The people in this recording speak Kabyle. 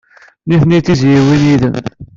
Nitni d tizzyiwin yid-m.